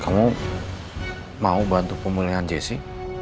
kamu mau bantu pemulihan jessi